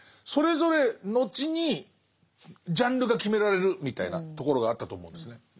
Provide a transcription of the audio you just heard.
それぞれ後にジャンルが決められるみたいなところがあったと思うんですね。